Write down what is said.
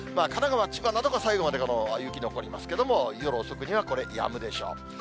神奈川、千葉などが最後までこの雪、残りますけれども、夜遅くにはこれ、やむでしょう。